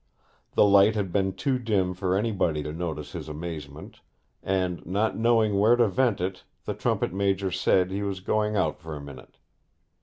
The light had been too dim for anybody to notice his amazement; and not knowing where to vent it, the trumpet major said he was going out for a minute.